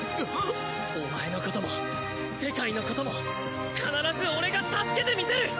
お前のことも世界のことも必ず俺が助けてみせる！！